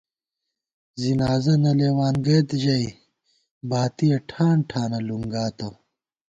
ځِنازہ نہ لېوان گئیت ژَئی باتِیَہ ٹھان ٹھانہ لُنگاتہ